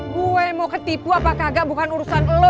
gue mau ketipu apa kagak bukan urusan lo